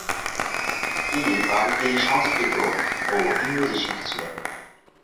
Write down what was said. তিনি বাড়িতেই সংস্কৃত ও ইংরেজি শিখেছিলেন।